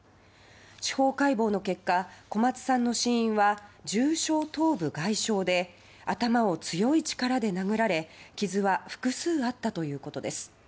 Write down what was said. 司法解剖の結果小松さんの死因は重症頭部外傷で頭を強い力で殴られ傷は複数あったということです。